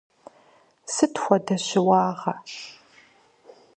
Сыт хуэдэ щыуагъэ?